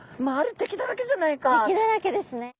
敵だらけですね。